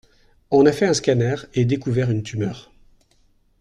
On a fait un scanner et découvert une tumeur.